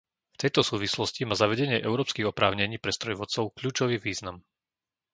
V tejto súvislosti má zavedenie európskych oprávnení pre strojvodcov kľúčový význam.